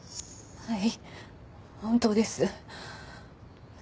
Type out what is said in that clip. はい。